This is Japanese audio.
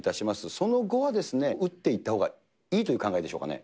その後は打っていったほうがいいという考えでしょうかね。